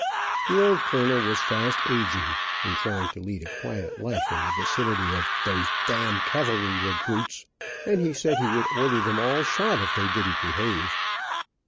The old colonel was fast aging, in trying to lead a quiet life in the vicinity of "dose d d cavalry regruits," and he said he "would order them all shot if they didn't behave."